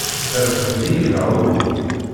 Trefdem-iyi neɣ uhu?